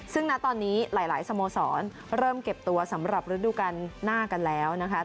ซึ่งณตอนนี้หลายสโมสรเริ่มเก็บตัวสำหรับฤดูการหน้ากันแล้วนะคะ